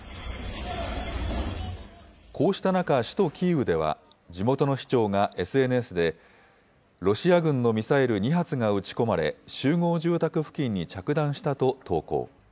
こうした中、首都キーウでは地元の市長がＳＮＳで、ロシア軍のミサイル２発が撃ち込まれ、集合住宅付近に着弾したと投稿。